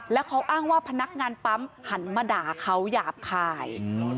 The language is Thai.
แล้วเขาอ้างว่าพนักงานปั๊มหันมาด่าเขาหยาบคาย